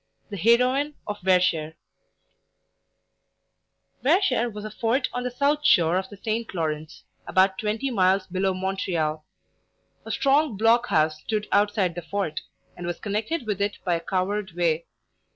THE HEROINE OF VERCHÈRES Verchères was a fort on the south shore of the St. Lawrence, about twenty miles below Montreal. A strong block house stood outside the fort, and was connected with it by a covered way.